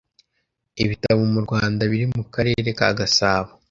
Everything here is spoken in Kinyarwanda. ibitabo mu Rwanda biri mu karere ka gasabo